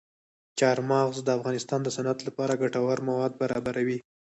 چار مغز د افغانستان د صنعت لپاره ګټور مواد برابروي.